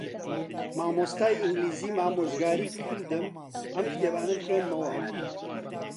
مامۆستای ئینگلیزیم ئامۆژگاریی کردم ئەم کتێبانە بخوێنمەوە.